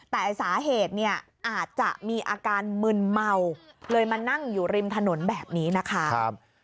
แต่สาเหตุอาจจะมีอาการมึนเมา